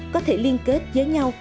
có thể liên kết với nhau